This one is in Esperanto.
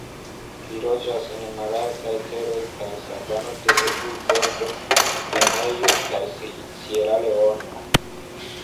Ili loĝas en malaltaj teroj kaj savano de Eburbordo, Gvineo kaj Sieraleono.